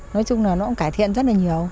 nói chung là nó cũng cải thiện rất là nhiều